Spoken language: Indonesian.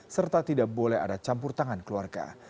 serta tidak boleh ada campur tangan keluarga